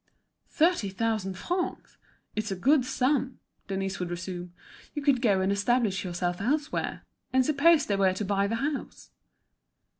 "Thirty thousand francs! it's a good sum," Denise would resume. "You could go and establish yourself elsewhere. And suppose they were to buy the house?"